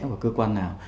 của cơ quan nào